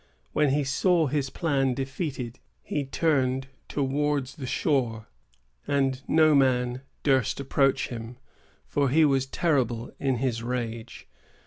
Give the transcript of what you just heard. When he saw his plan defeated, he turned towards the shore; and no man durst approach him, for he was terrible in his rage.